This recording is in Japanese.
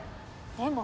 でも。